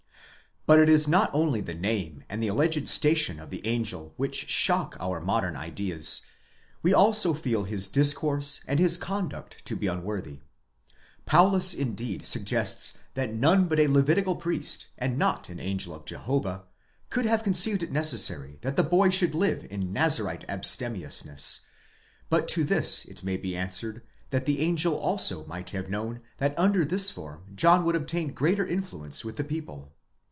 But it is not only the name and the alleged station of the angel which shock our modern ideas, we also feel his discourse and his conduct to be unworthy. Paulas indeed suggests that none but a levitical priest, and not an angel of Jehovah, could have conceived it necessary that the boy should live in nazarite abstemiousness,® but to this it may be answered that the angel also might have known that under this form John would obtain greater influence with the people.